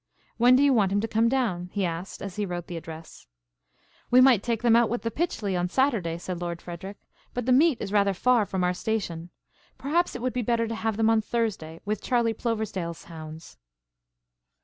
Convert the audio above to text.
"When do you want him to come down?" he asked, as he wrote the address. "We might take them out with the Pytchley on Saturday," said Lord Frederic, "but the meet is rather far from our station. Perhaps it would be better to have them on Thursday with Charley Ploversdale's hounds."